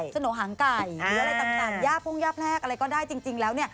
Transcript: สโนหางไก่หรืออะไรต่างย่าพ่งย่าแพรกอะไรก็ได้จริงแล้ว